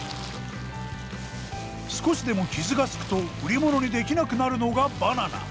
少しでも傷がつくと売り物にできなくなるのがバナナ。